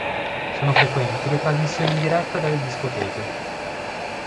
Sono frequenti le trasmissioni in diretta dalle discoteche.